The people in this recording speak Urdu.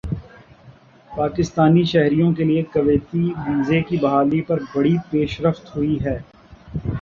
پاکستانی شہریوں کے لیے کویتی ویزے کی بحالی پر بڑی پیش رفت ہوئی ہےا